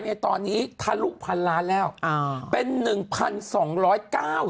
ในตอนนี้ทะลุพันล้านแล้วอ่าเป็นหนึ่งพันสองร้อยเก้า